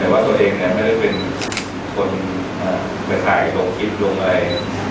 แต่ว่าตัวเองเนี่ยไม่ได้เป็นคนไปถ่ายโรคคลิปดูงอะไร